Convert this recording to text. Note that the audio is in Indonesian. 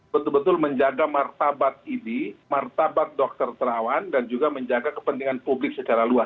betul betul menjaga martabat ini martabat dokter terawan dan juga menjaga kepentingan publik secara luas